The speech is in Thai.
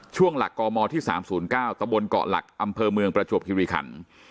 ช่วงหลักกมที่๓๐๙ตะบนเกาะหลักอำเภอเมืองประจวบคิริขัน